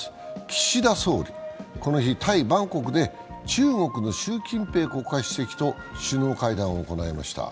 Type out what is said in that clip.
岸田総理、この日タイ・バンコクで中国の習近平国家主席と首脳会談を行いました。